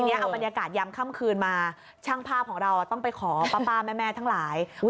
เอาบรรยากาศยำค่ำคืนมาช่างภาพของเราต้องไปขอป้าแม่ทั้งหลาย